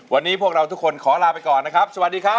วันนี้พวกเราทุกคนขอลาไปก่อนนะครับสวัสดีครับ